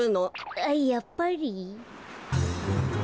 あっやっぱり。